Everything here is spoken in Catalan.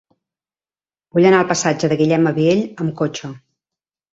Vull anar al passatge de Guillem Abiell amb cotxe.